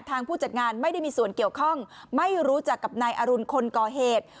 ผู้จัดงานไม่ได้มีส่วนเกี่ยวข้องไม่รู้จักกับนายอรุณคนก่อเหตุ